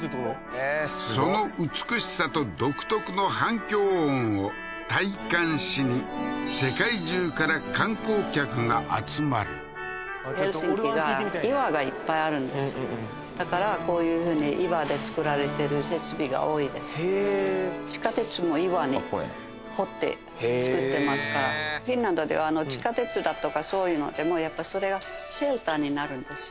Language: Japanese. へえーすごっその美しさと独特の反響音を体感しに世界中から観光客が集まるだからへえー地下鉄も岩に掘って造ってますからフィンランドでは地下鉄だとかそういうのでもやっぱりそれがシェルターになるんですよ